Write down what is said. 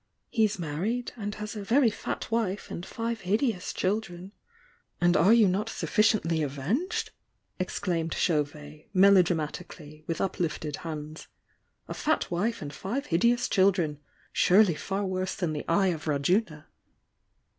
— he's married, and has a very fat wife and five hideous children " "And are you not sufficiently avenged?" exclaimed Chauyet, melodramatically, with uplifted hands. "A fat wife and five hideous children ! Surely far worse than the Eye of Rajuna!"